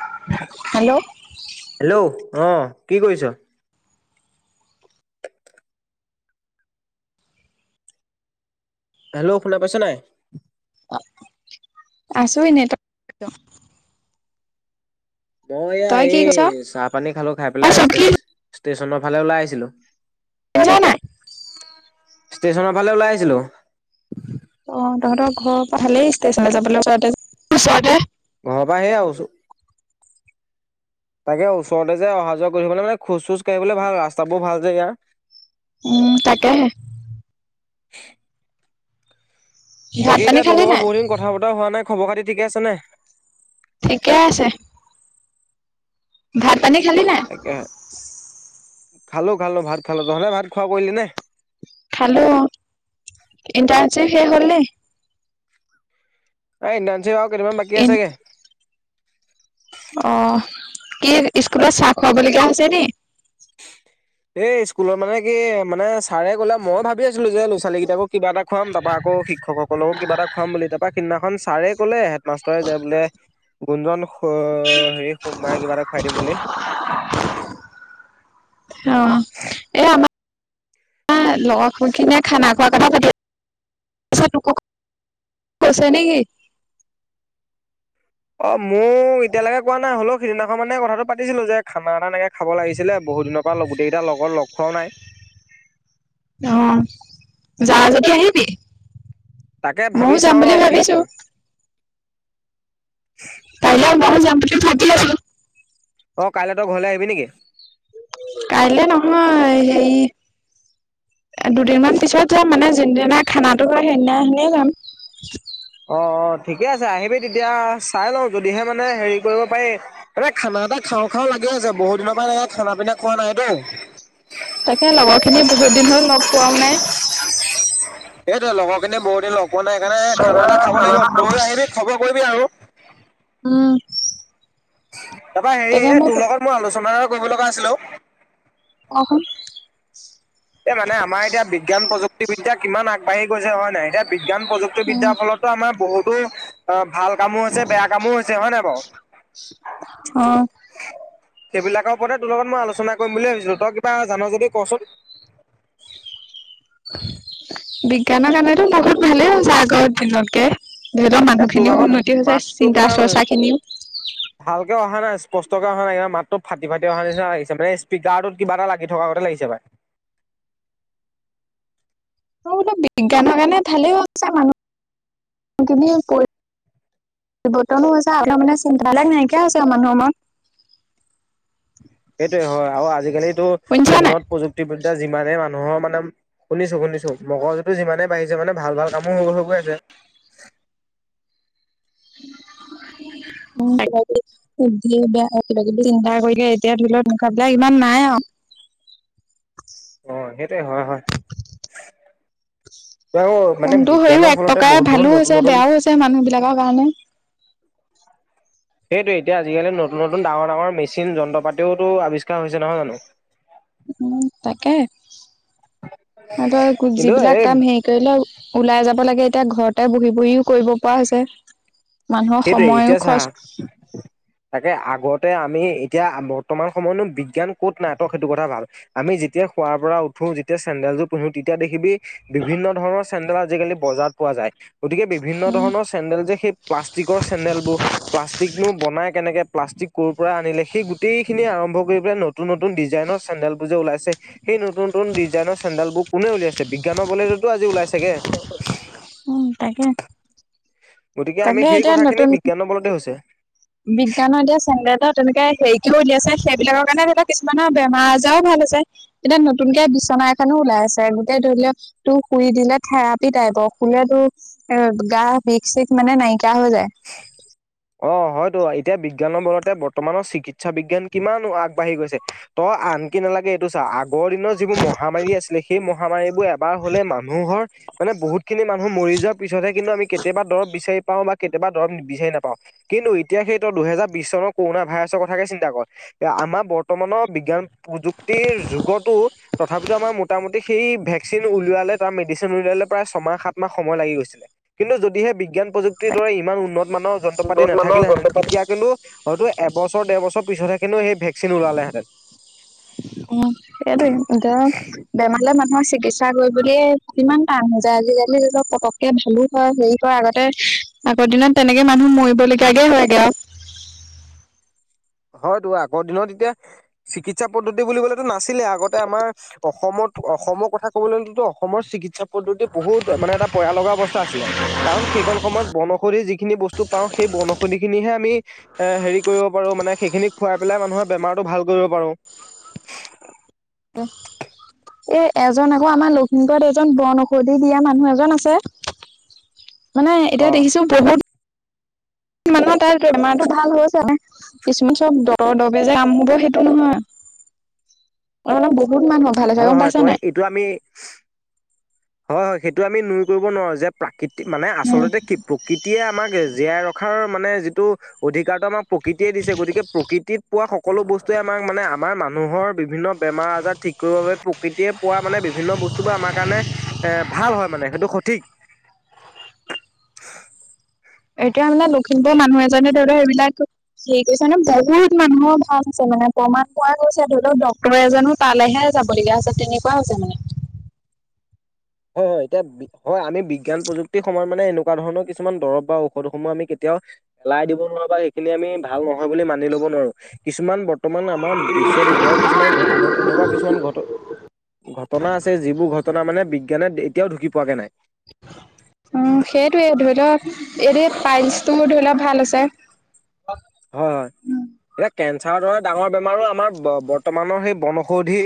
[unintelligible] Hello, hello অ', কি কৰিছ। হেল্ল' শুনা পাইছ নাই। আছো এনে ত মই এয়া কি এই চাহ পানী খালো খাই পেলাই কৈছ ষ্টেচনৰ ফালে ওলাই আহিছিলো। নাই [unintelligible] ষ্টেচনৰ ফালে ওলাই আহিছিলো। অ', তহঁতৰ ঘৰৰ পৰা ভালেই ষ্টেচনে যাবলৈ ওচৰতে ওচৰ ঘৰৰ পৰা সে তাকে ওচৰতে যে অহা যোৱা কৰিবলৈ মানে খোজ চোজ কঢ়িবলৈ ভাল ৰাস্তাবোৰ ভাল যে ইয়াৰ উম, তাকেহে [unintelligible] ভাত বাকী পানী এতিয়া তোৰ খালি লগৰ নাই বহুতদিন কথা বতৰা হোৱা নাই খবৰ খাতি ঠিকে আছেনে। ঠিকে আছে। ভাত পানী খালি। নাই তাকে খালো, খালো ভাত খালো তহলে ভাত খোৱা কৰিলি নে খালো ইনটাৰশিপ শেষ হ'ল নি। এ ইন্তাৰনচিপ আৰু কেইদিনমান বাকি আছে গে। অ', কি স্কুলত চাহ খুৱাবলগীয়া হৈছে নি? এই স্কুলত মানে কি মানে ছাৰে গলে মই ভাবি ভাবি আছিলো যে ল' ছোৱালী কিতাকক কিবা এটা খাম তাৰপা আকৌিককসকলক কিবা এটা খাম বুলি তাৰাপৰা, সিদিনাখন ছাৰে ক'লে হেডমাষ্টৰে যায় বোলে। গোঞজন হেৰি সোমবাৰে কিবা এটা খুৱাই দিম বুলি। অ' এ আমাৰ লগৰ খিনিয় খানা খোৱাৰ কথা চ নেকি? অ' মোক এতিয়ালৈকে কোৱা নাই হ'লেও সিদিনাখন মানে কথাটো পাতিছিলো যে খানা এা এনেকে খাব লাগিছিলে বহুত দিনৰ পৰা গোটেইকেইটা লগত লগ খুৱও নাই, অ' যা যদি আহিবি তাকে ভাবি ময়ও যাম চাওঁ ৰ বুলি কি ভাবিছো। কওঁ কাইলে ব যাম্পতি থাক আছো। অ' কাইলৈ তই ঘৰলে আহিবি নেকি? কাইলে নহয় সে, দুদিনমান পিছত যাম মানে যোনদিনা খানাটো খা সেইদিনাখনিয়ে যাম। অ' অ' ঠিকে আছে আহিবি তেতিয়া চাই লওঁ যদিহে মানে হেৰি কৰিব পাৰি মানে খানা এটা খা খাৰ খাও লাগি আছে বহুত দিনৰ পৰা এ খানা পিনা খোৱা নাইতো তাকে লগৰ খিনি বহুত দিন হল লগ পোৱাও নাই। এইটো লগৰখিনি বহুত দিন লগ পোৱা নাই সেইকাৰণে খানা এটা খাব লাগিব তই আহিবি খবৰ কৰিবি আৰু উম। তাৰপৰা হেৰি তোৰ লগত মই আলোচনা এটা কৰিব লগা আছিল। অ' এই মানে আমাৰ এতিয়া বিজ্ঞান প্ৰযুক্তিবিদ্যা কিমান আগবাঢ়ি গৈছে হয় নহয় এতিয়া, বি্ঞান উম প্ৰযুক্তিবিদ্যাৰ ফলতো আমাৰ বহুত অ' ভাল কামো হৈছে বেয়া কামো হৈছে হয় নাই বাৰু অ' সেইবিলাকৰ ওপতে তোৰ লগত মই আলোচনা কৰিম বুলি ভাবি তই কিবা জান যদি কচোন বিজ্ঞানৰ কাৰণতো বহুত ভালে হৈছে আগৰ দিনতকে, যিহতৰ এ তোৰ মানুহখিনিও ভাগৰ উন্নতি হৈ যায় মাতটো চিন্তা কিবা চৰ্চা খিনিও স্পষ্ট কৰা হা নাগি মাতটো ফাটি ফাটি অহা নিচি লাগিছে মানে স্পীকাৰটোত কিবা এটা লাগি থকাগতে লাগিছে পাই [inaudible] মই বোলো বিজ্ঞানৰ কাৰণে ভালেই হৈছে মানুহখিনি [unintelligible] বতনো হৈছে আপোনাৰ মানে চিন্তাব নাইকিয়া হৈছে মানুহৰ মূৰত। সেইটোৱে হয় আৰু আজিকালিটো শুনিছা নাই? উন্নত প্ৰযুক্তিবিদ্যা যিমানে মানুহৰ মানে শুনিছোঁ, শুনিছোঁ, মগৰজুটো যিমানেই বাঢ়িছে মানে ভাল ভাল কামো হৈ গৈ আছে। উম, [unintelligible] দিয়ে বেয়া কিবা কিবি চিন্তা কৰিলে এতিয়া ধৰি লওঁক [unintelligible] বিলাক ইমান নাই আৰু। [inaudible] অ', সেইটোৱে হয়, হয়। আকৌ মানে কোনটো সেও বিজ্ঞানৰ এক ফলতে প্ৰকাৰে বহুত বহুত ভালো নতুন হৈছে, নতুন বেয়াও হৈছে মানুহবিলাকৰ কাৰণে। [inaudible] সেইটোৱে এতিয়া আজিকালি নতুন নতুন ডাঙৰ ডাঙৰ মেচিন যন্ত্ৰ পাতিওতো আৱিষ্কাৰ হৈছে, নহয় জানো। উম, তাকে। আৰু ধ' কিন্তু যিবিলাক এই কাম হেৰি কৰিলে ওলাই যাব ৰিব লাগে এতিয়া ঘৰতে বহি বহিও কৰিব পৰা হৈছে। মানুহৰ সেইটোৱে সময়ো এতিয়া চাহ, খৰচ তাকে আগত তে আমি এতিয়া বৰ্তমান সময়তনো বিজ্ঞান ক'ত নাই তই সেইটো কথা ভাব, আমি যেতিয়া খোৱাৰ পৰা উঠ ঠো যেতিয়া চেন্দেলজোৰ পিন্ধো তেতিয়া দেখিবি বিভিন্ন ধৰণৰ চেন্দেল আজিকালি বজাৰত পোৱা যায়, গতিকে বিভিন্ন উম ধৰণৰ চেন্দেল যে সেই প্লাষ্ট [unintelligible] চেন্দেলবোৰ, প্লাষ্টিকনো বনাই কেনেকে প্লাষ্টিক কৰ পৰা আনিলে, সেই গোটেইখিনি আৰম্ভ কৰি [unintelligible] নতুন নতুন ডিজাইনৰ চেন্দেলবোৰ যে ওলাইছে, সেই নতুন নতুন ডিজাইনৰ চেন্দেলবোৰ কোনে উলিয়াইছে বিজ্ঞান [unintelligible] বলেতোটো আজি উলাইছেগে। উম, তাকে, তাকে। এতিয়া কথা খিনি নতুন বিজ্ঞানৰ বলতে হৈছে। বিজ্ঞানৰ এতিয়া চেন্দেলত তেনেকে হেৰিকেও উলিয়াইছে সেইবিলাকৰ কাৰণে ধৰি লোৱা কিছুমানৰ বেমাৰ আজাৰো ভাল আছে তেতিয়া নতুনকে বিচ [unintelligible] ওলাই আছে, গোটেই [unintelligible] শুই দিলে থেৰাপী টাইপৰ, শুলে তোৰ গাঁৰ বিষ চিষ মানে নাইকিয়া হৈ যায়। [inaudible] অ হয়তো এতিয়া বিজ্ঞানৰ বলতে বৰ্তমানৰ চিকিৎসা বিজ্ঞান কিমান আগবাঢ়ি গৈছে ত। আনকি নালাগে এইটো চাওঁ আগৰ দিনৰ যিবোৰ মহামাৰী আছিলে সেই মহামাৰীবোৰ এবাৰ হ'লে মানুহৰ। মানে বহুত খিনি মানুহ মৰি যোৱাৰ পিছতহে কিন্তু আমি কেতিয়াবা দৰৱ বিচাৰি পাওঁ বা কেতিয়াবা দৰব বিচাৰি নাপাও কিন্তু এতিয়া সেই ত দুহেজাৰ বিশ চনৰ কৰোণনা ভাইৰাছৰ কথাকে চিন্তা কৰ। আমাৰ বৰ্তমানৰ বিজ্ঞান প্ৰযুক্তিৰ যুগতো তথাপিতো আমাৰ মোটামুটি সেই ভেকচিন উলালে তাৰ মেডিচিন উলালে প্ৰায় ছয়াহ সাত মাহ সময় লাগি গৈছিল কিন্তু যদিহে বিজ্ঞান প্ৰযুক্তি। দৰে ইমান উন্নত মানৰ যন্ত্ৰ পাতি উন্নত মানৰ নাথাকিলে হেঁতেন যন্ত্ৰ তেতিয়া কিন্তু হয়তো। এবছৰ ডৰ বছৰ পিছতহে কিন্তনু সেই ভেকচিন ওলালেহেঁতেন। উম সেইটোয়ে এ বেমাৰলে মানুহৰ চিকিৎসা। ক গৈ বুলিয়ে কিমান টান হৈ যায় আজিকালি ধ পক। ভালো হয় হেৰি কৰে আগতে আগৰ দিনত তেনেকে মানুহ মৰিবলগীয়াাগে হয়গে আও। [inaudible] হয়তো আগৰ দিনত এতিয়া চিকিৎসা পদ্ধতি বুলিবলেতো নাছিলে আগতে আমাৰ অসমৰ। অসমৰ কথা ক'বলৈ গলেতো অসমৰ চিকিৎসা পদ্ধতি বহুত মানে এটা পযয়া লগা অৱস্থা আছিলে কাৰণ সেইখন সময়ত বনঔষধি যিখিনি বস্তু পাওঁ সেই বনৌষধি খিনিহে আমি এ হেৰি কৰিব পাৰো মানে। সেইখিনি খুৱাই পেলাই মানুহৰ বেমাৰতটো ভাল কৰিব পাৰো। এ এজন আকৌ আমাৰ লখিমপুৰত এজন বন ঔষধি দিয়া মানুহ এজন আছে। [inaudible] মানে এতিয়া অ দেখিছো বহুত। মানে তাত বেমাৰতটো ভাল হৈ হৈছে কিছুমান চব দৰ দৰগে যে আম হব সেইটো নহয়। [inaudible] অ অলপ বহুত মানুহ ভালে হৈছে হয় গম হয় পাইছ তই নাই? এইটো আমি হয় হয় সেইটো আমি নুই কৰিব নোৱাৰো যে প্ৰাকৃতি মানে উম। আচল্ততে কি প্ৰকৃতিয়ে আমাক জীয়াই ৰখা [unintelligible] মানে যিটো অধিকাৰতটো আমাক প্ৰকৃতিয়ে দিছে। গতিকে প্ৰকৃতিত পোৱা সকলো বস্তুৱে আমাক মানে আমাৰ মানুহৰ বিভিন্ন বেমাৰ আজাৰ ঠিক কৰিব বাবে প্ৰকৃতিয়ে পোৱা মানে বিভিন্ন বস্তুবোৰ আমাৰ কাৰণে এ ভাল হয় মানে, সেইটো সঠিক। এতিয়া মানে লখিমপুৰৰ মানুহ এজনে ধৰি লও সেইবিলাক সেই কৈছে নে বহুত মানুহৰ ভাল হৈছে মানে প্ৰমাণ পোৱা গৈছে ধৰি লওক ডক্তৰ এজনো তালেহে যাবলগীয়া আছে তেনেকুৱা হৈছে মানে। [inaudible] হয় হয় এতিয়া হয় আমি বিজ্ঞান প্ৰযুক্তিৰ সময়ত মানে এনেকুৱা ধৰণৰ কিছুমান দৰৱ বা ঔষধসমূহ আমি কেতিয়া [unintelligible] পেলাই দিব নোৱাৰো বা সেইখিনি আমি ভাল নহয় বুলি মানি ল'ব নোৱাৰো। কিছুমান ব বৰ্তমান আমাৰ বিশ্বত এনেও কিছুমান ঘ এনেকুৱা কিছুমান ঘট ঘটনা আছে যিবোৰ ঘটনা মানে বি এতিয়াও ঢুকি পোৱাকে নাই। অৱ, সেইটয়ে ধৰি লওক এনেই পাইলছটো ধৰি লওক ভাল হৈছে। তে হয় হয় এতিয়া কেঞ্চাৰৰ দৰে ডাঙৰ বেমাৰো আমাৰ বৰ্তমানৰ সেই বন ঔষধ ঔষধি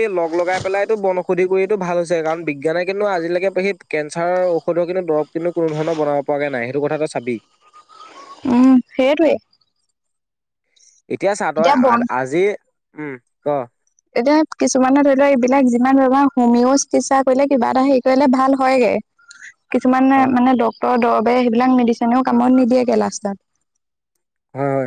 এই লগাই পেলাই এইটো বনষধ ঔষধি কৰিটো ভাল হৈছে, কাৰণ বিজ্ঞানে কিন্তু আজিলৈকে সেই কেঞ্চাৰৰ ঔষধৰ কিন্তু দৰৱ কিন্তু কোনো ধৰণৰ বনাব পৰা নাই, সেইটো কথাটো চাবি। উ'ম, সেইটোৱে। এতিয়া চা তই আজি, উ'ম, ক? এতিয়া কিছুমানে ধৰি লওক, এইবিলাক যিমান ধৰণৰ হোমিওঁ চিকিৎসা কৰিলে, কিবা এটা হেৰি কৰিলে ভাল হয়গে। [unintelligible] কিছুমানে অ হয় মানে ডক্তৰ দৰবে সেইবিলাক মেডিচনেওঁ কামত নিদিয়েগে লাষ্টাত। হয়।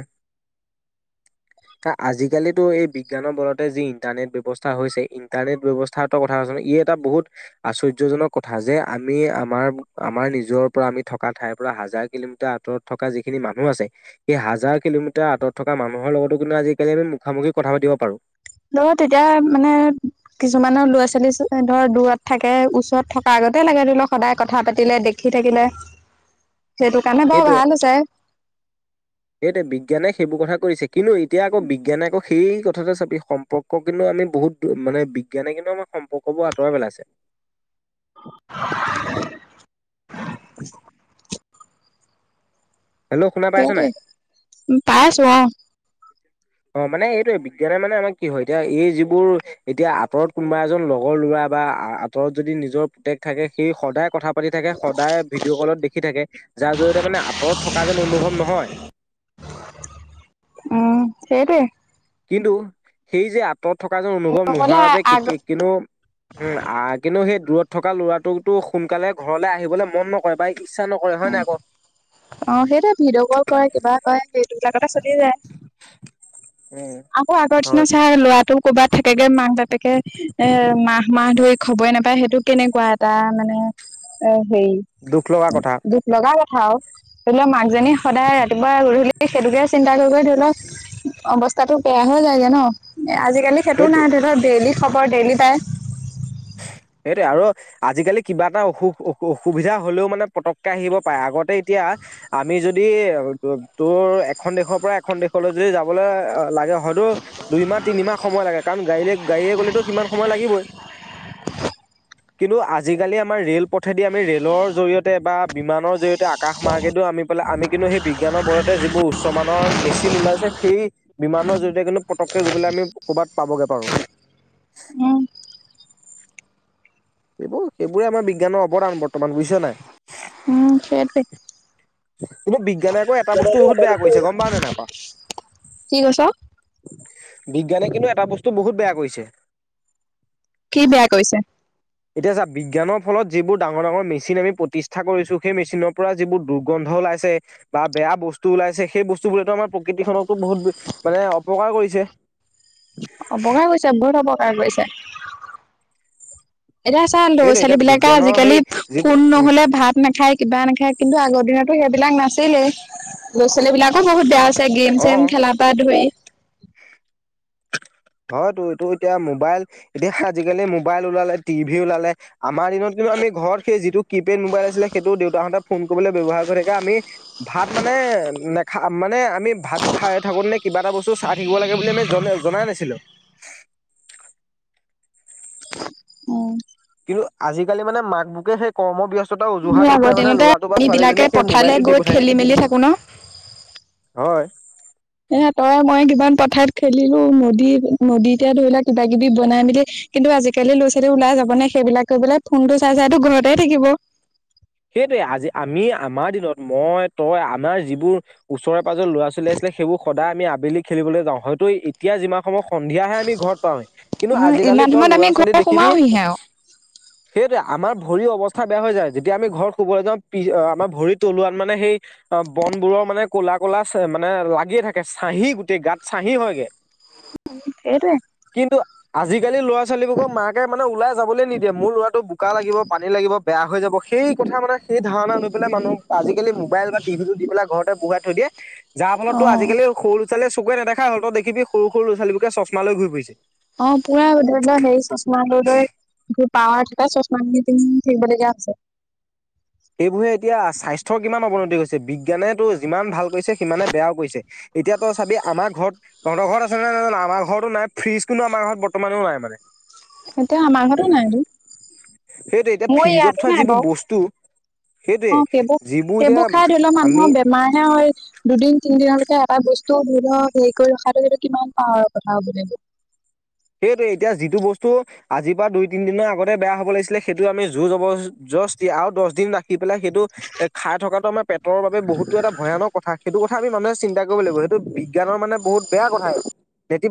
চা, আজিকালিতো এই বিজ্ঞানৰ বলতে যি ইন্টাৰনেট ব্যৱস্থা হৈছে। ইন্টাৰনেট ব্যৱস্থাৰ তই কথা কচোন? ই, এটা বহুত আশ্চৰ্য্যজনক কথা যে আমি আমাৰ, আমাৰ নিজৰ পৰা আমি থকা ঠাই পৰা হাজাৰ কিলোমিটাৰ আঁতৰত থকা যিখিনি মানুহ আছে। সেই হাজাৰ কিলোমিটাৰ আঁতৰত থকা মানুহৰ লগতো কিন্তু আজিকালি আমি মুখামুখি কথা পাতিব পাৰো। নহয়, তেতিয়া মানে কিছু কিছুমানৰ ল'ৰা ছোৱালী ধৰ দূৰত থাকে। ওচৰত থকাৰ আগতে লাগে ধৰি লওক সদায় কথা পাতিলে দেখি থাকিলে। লে। [unintelligible] সেইটোৱে, বিজ্ঞানে সেইবোৰ কথা কৰিছে। কিন্তু এতিয়া আকৌ, বিজ্ঞানে আকৌ সেই কথাতে চাবি সম্পৰ্ক কিন্তু আমি বহুত মানে বিজ্ঞানে কিন্তু আমাক সম্পৰ্কবোৰ আঁতৰাই পেলাইছে। [unintelligible] [unintelligible] হেল্ল' শুনা পাইছ নাই সেইটোৱে পাইছো। অ'। অ', মানে এইটোয়ে বিজ্ঞানে মানে আমাৰ কি? হয়, এতিয়া এই যিবোৰ এতিয়া আঁতৰত কোনোবা এজন লগৰ লৰা বা আঁতৰত যদি নিজৰ পুতেক থাকে। সেই সদায় কথা পাতি থাকে, সদায় ভিডিঅ' কলত দেখি থাকে। যাৰ জৰিয়তে মানে আঁতৰত থকা যেন অনুভৱ নহয়। [unintelligible] উ'ম। সেইটোৱে। কিন্তু, সেই যে আ থকা যেন অনুভৱ অকলে নোহোৱাৰ বাবে আগ কেতিয়া? কিন্তু উ'ম, কিন্তু সেই দূৰত থকা ল'ৰাটোকতো সোনকালে ঘৰলৈ আহিবলৈ মন নকৰে। বা ইচ্ছা হয়, নাই। আকৌ অ', সেইটোৱে ভিডিঅ' কল কৰে কিবা কৰে। সেইটোবিলাকতে চলি যায়। উম আকৌ আগৰ দিনা হয় ছাৰ ল'ৰাটো ক'ৰবাত থাকেগে। মাক বাপেকে এ মাহ- মাহ ধৰি খবৰে নাপায়। সেইটো কেনেকুৱা এটা মানে অ'। দুখ লগা কথা। দুখ লগা কথা আৰু ধৰি লওক মাকজনী সদায় ৰাতিপুৱা গধূলি সেইটোকে চিন্তা কৰি ধৰি লওঁক। অৱস্থাতটো বেয়া হৈ যায়গে ন। আজিকালি সেইটো সেইটোৱে নাই ধৰি লক ডেইলি খব -বৰ ডেইলি পাই। [unintelligible] সেইটোৱে আৰু আজিকালি কিবা এটা অসুখ অ অসুবিধা হলেওঁ মানে পতককৈ আহিব পাৰে। আগতে এতিয়া আমি যদি তোৰ এখন দেশৰ পৰা এখন দেশলৈ যদি যাবলৈ লাগে। হয়তো দুই মাহ, তিনিমাহ সময় লাগে কাৰণ গাড়ী গাড়ীয়ে গ'লেতো সিমান সময় লাগিবই। [unintelligible] কিন্তু আজিকালি আমাৰ ৰেল পথেদি আমি ৰেলৰ জৰিয়তে বা বিমানৰ জৰিয়তে আকাশ মাৰ্গে আমি পালে। আমি কিন্তু সেই বিজ্ঞানৰ বৰতে যিবোৰ উমানৰ মেচিন ওলাইছে। সেই বিমানৰ জৰিয়তে কিন্তু পতককে গৈ পেলাই আমি ক'ৰবাত পাবগে পাৰো। উ'ম। এইবোৰ, সেইবোৰে আমাৰ বিজ্ঞানৰ অৱদান বৰ্তমান বুজিছা নাই। উ'ম। সেইটোৱে। কিন্তু বিজ্ঞানে আকৌ এটা বস্তু বহুত বেয়া কৰিছে। গম পাওঁ নে নাপা। কি কৈছ বিজ্ঞানে কিন্তু এটা বস্তু বহুত বেয়া কৰিছে। কি বেয়া কৰিছে? এতিয়া চা বিজ্ঞানৰ ফলত যিবোৰ ডাঙৰ ডাঙৰ মেচিন আমি প্ৰতিষ্ঠা কৰিছো। সেই মেচিনৰ পৰা যিবোৰ দুৰ্গন্ধ ওলাইছে বা বেয়া বস্তু ওলাইছে সেই বস্তু বোৰেতু আমাৰ প্ৰকৃতিখনকো বহুত মানে অপকাৰ কৰিছে। অপকাৰ কৰিছে বহুত অপকাৰ কৰিছে। এতিয়া চা সেইটোৱে ল'ৰা-ছোৱালী এতিয়া বিলাকে বিজ্ঞানৰ সেই আজিকালি যিবোৰ ফোন উম নহ'লে ভাত নাখায় কিবা নাখায় কিন্তু আগত দিনতো সেইবিলাক নাছিলেই, ল'ৰা ছোৱালী বিলাকো বহুত বেয়া আছে গেম অ'। চেম খেলা পা ধৰি হয়টো এইটো এতিয়া মোবাইল এতিয়া আজিকালি মোবাইল ওলালে টিভি ওলালে। আমাৰ দিনত কিন্তু আমি ঘৰত সেই যিটো কিপেড মোবাইল আছিলে সেইটো দেউতাহঁতে ফোন কৰিবলৈ ব্যৱহাৰ কৰি থাকে আমি ভাত মানে নেখা মান মানে আমি ভাত খাই থাকোঁ নে কিবা এটা বস্তু চাই থাকিব লাগে বুলি আমি জন জনাই নাছিলোঁ। উম কিন্তু আজিকালি মানে মাক বুকে সেই কৰ্ম ব্যস্ত টা আমি উজুহাত আগৰ দেখুৱাই মানে দিনতে ল'ৰাটো বা আমি বিলাকে ছোৱালীজনক সেই পথাৰলৈ মোবাইলটো দি গৈ পঠায়। খেলি মেলি থাকো ন হয়। এ তই মই কিমান পথাৰত খেলিলো নদী নদী এতেয়া ধৰি লোৱা কিবা কিবি বনাই মেলি কিন্তু আজিকালি ল'ৰা ছোৱালী ওলাই যাব নে সেইবিলাক কৈ পেলাই ফোনটো চাই চাইটো ঘৰতেই থাকিব। সেইটোৱে আজি আমি আমাৰ দিনত মই তই আমাৰ যিবোৰ ওচৰে পাজৰ লৰা ছোৱালী আছিলে সেইবোৰ সদায় আমি আবেলি খেলিবলৈ যাওঁ হয়তো এতিয়া যিমান সম সন্ধিয়াহে আমি ঘৰত পওঁৱে কিন্তু উম ইমান আজিকালি তই সময়ত আমি ল'ৰা ছোৱালী ঘৰ দেখিবি সোমাওহিহে আৰু। সেইটোৱে আমাৰ ভৰি অৱস্থা বেয়া হৈ যায় এতিয়া আমি ঘৰত শুবলৈ যাওঁ পি আমাৰ ভৰিত তলুৱাত মানে সেই বন বোৰৰ মানে ক'লা কলা মানে এ লাগিয়ে থাকে ছাহি গোটেই গাত ছাহি হয়গে। সেইটোৱে। কিন্তু আজিকালি ল'ৰা ছোৱালীবোৰক মাকে মানে ওলাই যাবলৈ নিদিয়ে মোৰ ল'ৰাটো বোকা লাগিব পানী লাগিব বেয়া হৈ যাব। সেই কথা মানে সেই ধাৰণা লৈ পেলাই মানুহ আজিকালি মোবাইল বা টিভি টো দি পেলাই ঘৰতে বহাই থৈ দিয়ে যাৰ ফলতো অ', আজিকালি সৰু লৰা ছোৱালী চকুৰে নেদেখা হল দেখিবি সৰু লৰা ছোৱালী চশম লৈ ঘূৰি ফুৰিছে। অ পুৰা ধৰি লোৱা হেৰি চচমা লৈ লৈ পাৱাৰ থকা চশমা থাকিবলগীয়া হৈছে। সেইবোৰে এতিয়া স্বাস্থ্যৰ কিমান অৱনতি হৈছে বিজ্ঞানে যিমান ভাল কৰিছে সিমানে বেয়াও কৰিছে। এতিয়া তই চাবি আমাৰ ঘৰত, তহঁতৰ ঘৰত আছে নে নাই নাজানো আমাৰ ঘৰতো নাই ফ্ৰিজ, কিন্তু আমাৰ ঘৰত বৰ্তমানেও নাই মানে। এতিয়া আমাৰ ঘৰতো নাইটো। সেইটোৱে এতিয়া ফ্ৰিজত থোৱা যিবোৰ বস্তু সেইটোৱে অ', সেইবোৰ, যিবোৰ এতিয়া সেইবোৰ খাই ধৰি ল আমি মানুহৰ বেমাৰহে হয় দুদিন তিনিদিনৰ ভিতৰত এটা বস্তু ধৰি লওক হেৰি কৰি ৰখাটো সটো কিমান পাহৰ কথা হ'ব লাগিব। সেইটোয়ে, এতিয়া যিটো বস্তু আজিৰ পৰা দুই-তিনিদিনৰ আগতে বেয়া হ'ব লাগিছিলে, সেইটো আমি জোৰ-জব-জ দস্তি আৰু দশ দিন ৰাখি পেলাই সেইটো এ খাই থকাতটো আমাৰ পেটৰ বাবে বহুতো এটা ভয়ানক কথা। সেইটো কথা আমি মানুহে চিন্তা কৰিব লাগিব, সেইটো বিজ্ঞানৰ মানে বহুত বেয়া কথা। বে